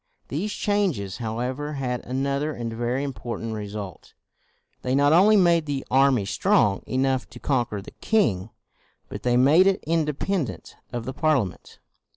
These changes, however, had another and very important result. They not only made the army strong enough to conquer the king, but they made it independent of the Parliament.